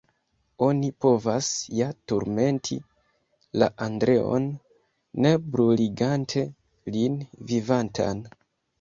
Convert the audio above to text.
Oni povas ja turmenti la Andreon, ne bruligante lin vivantan.